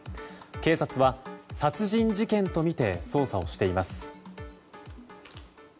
警察は殺人事件とみて捜査をしています。